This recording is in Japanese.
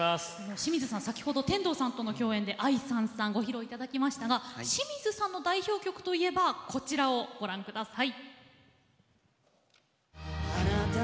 清水さんは先ほど天童さんとの共演で「愛燦燦」を披露いただきましたが清水さんの代表曲といえばこちらをご覧ください。